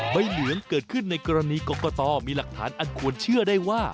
ใบเหลืองเกิดขึ้นในกรณีกรกตมีหลักฐานอันควรเชื่อได้ว่า